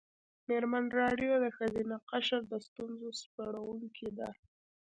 مېرمن راډیو د ښځینه قشر د ستونزو سپړونکې ده.